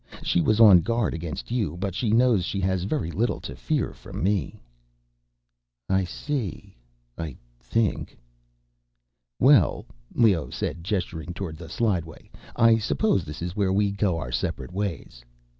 She was on guard against you, but she knows she has very little to fear from me." "I see ... I think." "Well," Leoh said, gesturing toward the slideway, "I suppose this is where we go our separate ways."